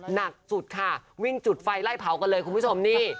หนักสุดค่ะวิ่งจุดไฟไล่เผากันเลยคุณผู้ชมนี่